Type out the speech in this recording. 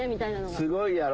すごいやろ？